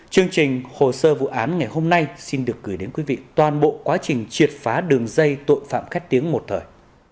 chương trình hồ sơ vụ án ngày hôm nay xin được gửi đến quý vị toàn bộ quá trình triệt phá đường dây tội phạm khét tiếng một thời